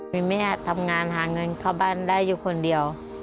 มีแม่ทำงานหาเงินเข้าบ้านได้อยู่คนเดียว